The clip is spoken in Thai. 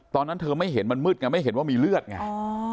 ตอนนั้นเธอไม่เห็นมันมืดไงไม่เห็นว่ามีเลือดไง